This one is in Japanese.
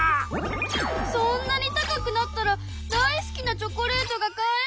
そんなに高くなったら大好きなチョコレートが買えない！